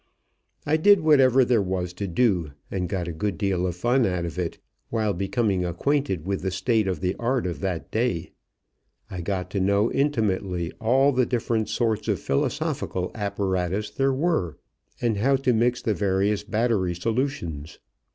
I did whatever there was to do and got a good deal of fun out of it, while becoming acquainted with the state of the art of that day. I got to know intimately all the different sorts of philosophical apparatus there were, and how to mix the various battery solutions.